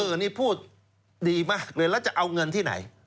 อันนี้พูดดีมากเลยแล้วจะเอาเงินที่ไหน